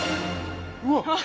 うわっ！